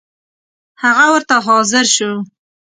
هغه ورته حاضر شو.